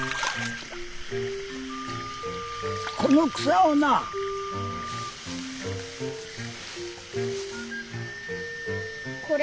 この草をな。これ？